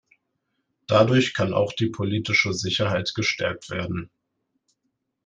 Dadurch kann auch die politische Sicherheit gestärkt werden.